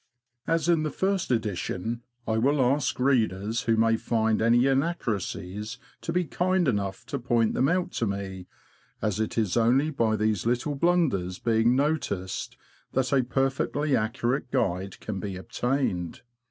As in the First Edition, I will ask readers who may find any inaccuracies to be kind enough to point them out to me, as it is only by these little blunders being noticed that a perfectly accurate guide can be obtained.